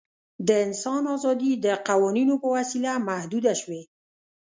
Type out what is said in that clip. د انسان آزادي د قوانینو په وسیله محدوده شوې.